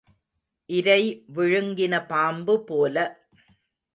இரை விழுங்கின பாம்பு போல.